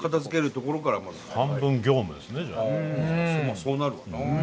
そうなるわな。